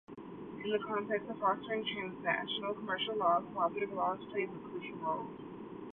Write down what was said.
In the context of fostering transnational commercial law, comparative law plays a crucial role.